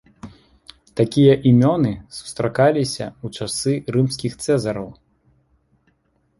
Такія імёны сустракаліся ў часы рымскіх цэзараў.